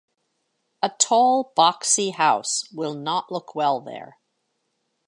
A tall boxy house will not look well there.